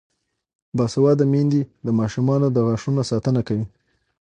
باسواده میندې د ماشومانو د غاښونو ساتنه کوي.